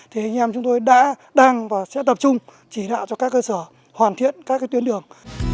thì anh em chúng tôi đã đang và sẽ tập trung chỉ đạo cho các cơ sở hoàn thiện các tuyến đường